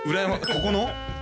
ここの？